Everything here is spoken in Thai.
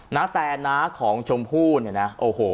นาแตน้าของชมพู่เนี่ยนะโอ้โห